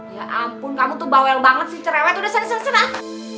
ya ampun kamu tuh bawel banget sih cerewet udah senang